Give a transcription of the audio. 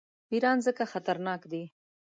پیران ځکه خطرناک دي.